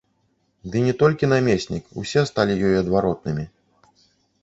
Ды не толькі намеснік, усе сталі ёй адваротнымі.